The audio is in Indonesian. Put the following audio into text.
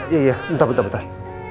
iya iya bentar bentar bentar